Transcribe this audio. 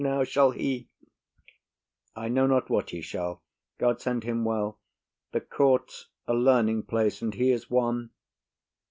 Now shall he— I know not what he shall. God send him well! The court's a learning place; and he is one.